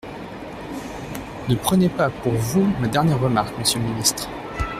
Ne prenez pas pour vous ma dernière remarque, monsieur le ministre.